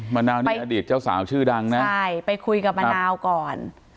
มะนาวนี่อดีตเจ้าสาวชื่อดังนะใช่ไปคุยกับมะนาวก่อน